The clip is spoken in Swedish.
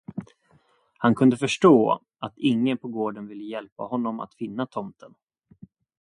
Han kunde förstå, att ingen på gården ville hjälpa honom att finna tomten.